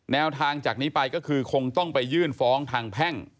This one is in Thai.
แนวทางจากนี้ไปก็คือคงต้องไปยื่นฟ้องทางแพ่ง